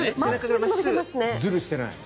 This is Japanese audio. ずるしてない。